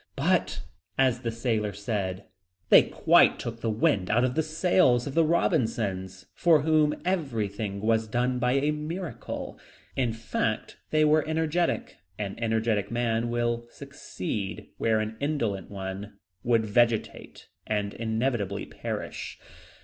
"But," as the sailor said, "they quite took the wind out of the sails of the Robinsons, for whom everything was done by a miracle." In fact, they were energetic; an energetic man will succeed where an indolent one would vegetate and inevitably perish.